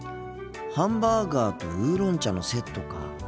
ハンバーガーとウーロン茶のセットか。